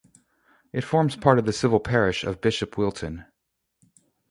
It forms part of the civil parish of Bishop Wilton.